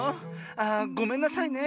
ああごめんなさいね。